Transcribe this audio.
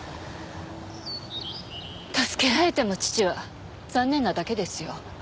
助けられても父は残念なだけですよ